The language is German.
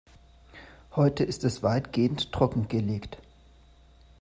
Heute ist es weitgehend trockengelegt.